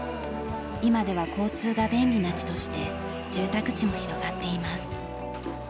今では交通が便利な地として住宅地も広がっています。